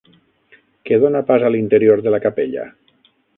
Què dona pas a l'interior de la capella?